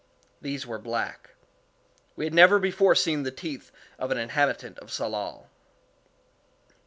These were black. We had never before seen the teeth of an inhabitant of Tsalal.